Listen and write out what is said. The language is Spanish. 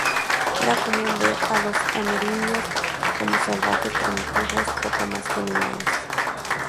Era común ver a los amerindios como salvajes primitivos, poco más que animales.